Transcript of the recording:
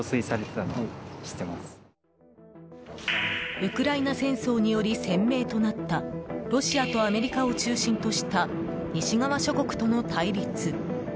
ウクライナ戦争により鮮明となったロシアとアメリカを中心とした西側諸国との対立。